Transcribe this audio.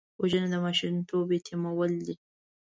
وژنه د ماشومتوب یتیمول دي